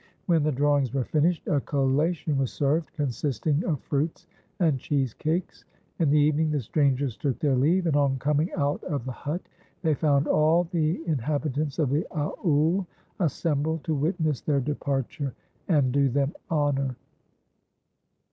When the drawings were finished, a collation was served, consisting of fruits and cheese cakes. In the evening, the strangers took their leave, and, on coming out of the hut, they found all the inhabitants of the aoul assembled to witness their departure and do them honour.